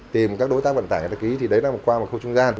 tìm các đối tác vận tài để ký thì đấy là qua một khu trung gian